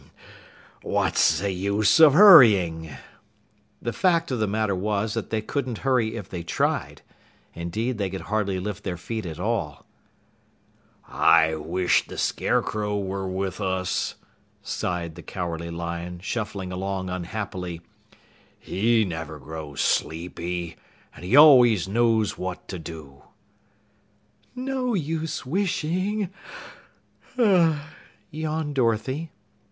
"Hah, hoh, hum! What's the use of hurrying?" The fact of the matter was that they couldn't hurry if they tried. Indeed, they could hardly lift their feet at all. "I wish the Scarecrow were with us," sighed the Cowardly Lion, shuffling along unhappily. "He never grows sleepy, and he always knows what to do." "No use wishing," yawned Dorothy.